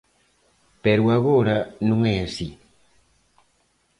Pero agora non é así.